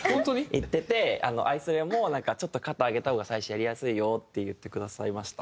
行っててアイソレも「ちょっと肩上げた方が最初やりやすいよ」って言ってくださいました。